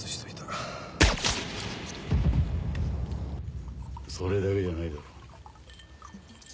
銃声それだけじゃないだろ？